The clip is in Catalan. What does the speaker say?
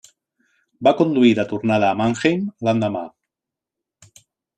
Va conduir de tornada a Mannheim l'endemà.